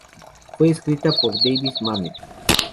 Fue escrita por David Mamet.